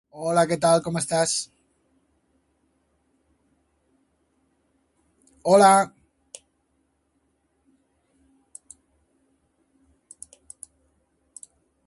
L'estret de Haro, ple d'illes, forma part de la Mar de Salish i forma el límit oriental de Sidney.